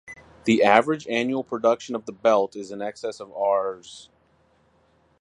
The average annual production of the belt is in excess of Rs.